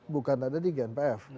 bukan ada di gnpf